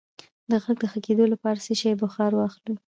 د غږ د ښه کیدو لپاره د څه شي بخار واخلئ؟